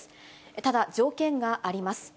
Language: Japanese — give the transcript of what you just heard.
ただ、条件があります。